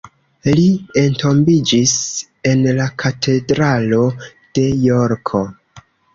Li entombiĝis en la katedralo de Jorko.